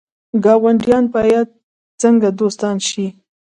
ګاونډیان باید څنګه دوستان شي؟